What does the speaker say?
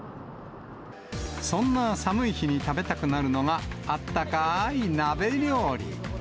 そんな寒い日に食べたくなるのが、あったかーい鍋料理。